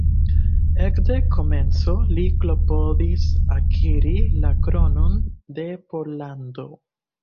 Ekde komenco li klopodis akiri la kronon de Pollando.